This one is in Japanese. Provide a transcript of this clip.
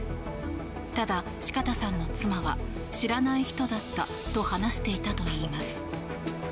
ただ、四方さんの妻は知らない人だったと話していたといいます。